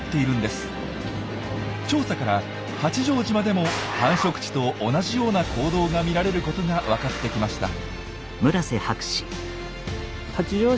調査から八丈島でも繁殖地と同じような行動が見られることが分かってきました。